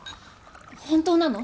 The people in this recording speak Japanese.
本当なの？